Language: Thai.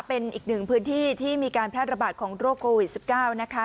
เป็นอีกหนึ่งพื้นที่ที่มีการแพร่ระบาดของโรคโควิด๑๙นะคะ